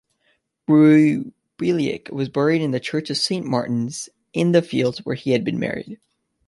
Roubiliac was buried in the church of Saint Martin's-in-the-Fields, where he had been married.